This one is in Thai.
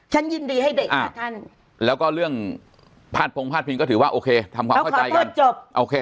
ฉันยินดีให้เด็กค่ะท่านแล้วก็เรื่องพาดพงพาดพิงก็ถือว่าโอเคทำความเข้าใจกันจบโอเค